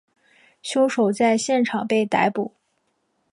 凶手在现场被逮捕。